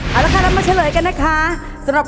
เอาละค่ะแล้วมาเฉลยกันนะครับ